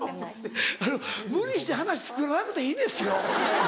あの無理して話作らなくていいんですよ。